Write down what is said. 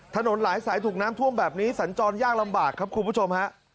ถนนหลายสายถูกน้ำท่วมแบบนี้สัญจรยากลำบากครับคุณผู้ชมฮะ